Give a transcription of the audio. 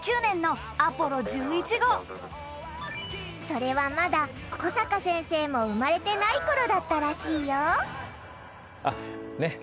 それはまだ登坂先生も生まれてない頃だったらしいよあっねっ